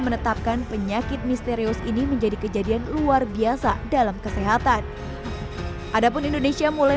menetapkan penyakit misterius ini menjadi kejadian luar biasa dalam kesehatan adapun indonesia mulai